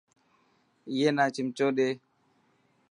اي نا چمچو ڏي.